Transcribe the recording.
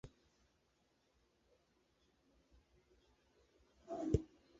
இளவரசி கன்யாகுமரி தன் நினைவு பெற்றாள்.